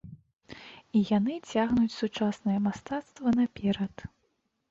І яны цягнуць сучаснае мастацтва наперад.